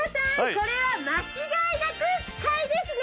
これは間違いなく買いですね！